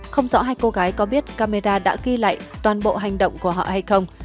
không rõ hai cô gái có biết camera đã ghi lại toàn bộ hành động của họ hay không